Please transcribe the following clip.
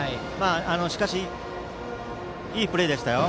しかし、いいプレーでしたよ。